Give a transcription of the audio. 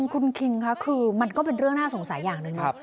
คุณคิงค่ะคือมันก็เป็นเรื่องน่าสงสัยอย่างหนึ่ง